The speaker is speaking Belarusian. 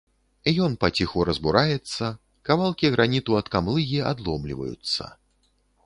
Ён паціху разбураецца, кавалкі граніту ад камлыгі адломліваюцца.